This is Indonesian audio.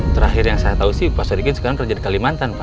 terakhir yang saya tahu sih pak sarigin sekarang kerja di kalimantan pak